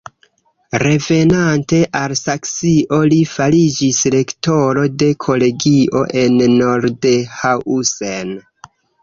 Revenante al Saksio, li fariĝis rektoro de kolegio en Nordhausen.